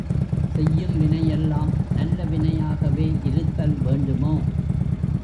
செய்யும் வினையெல்லாம் நல்லவினையாகவே இருத்தல் வேண்டுமோ?